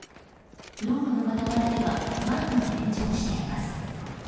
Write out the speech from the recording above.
道路の傍らではバイクが炎上しています。